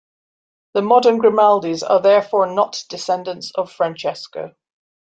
The modern Grimaldis are therefore not descendants of Francesco.